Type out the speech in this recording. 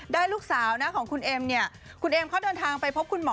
ลูกสาวของคุณเอ็มเนี่ยคุณเอ็มเขาเดินทางไปพบคุณหมอ